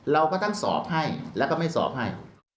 เราก็ต้องสอบให้แล้วก็ไม่สอบให้